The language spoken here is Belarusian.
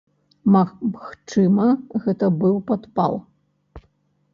Магчыма, гэта быў падпал.